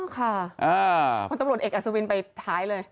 ค่ะพลตำรวจเอกอัศวินไปท้ายเลย